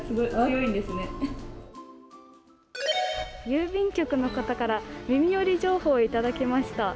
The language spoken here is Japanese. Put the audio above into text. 郵便局の方から耳より情報をいただきました。